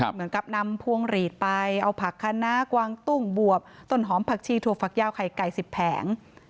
เหมือนกับนำพวงหลีดไปเอาผักคณะกวางตุ้งบวบต้นหอมผักชีถั่วฝักยาวไข่ไก่๑๐แผง